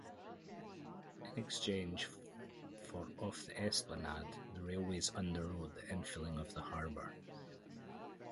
In exchange for of the Esplanade, the railways underwrote the infilling of the harbour.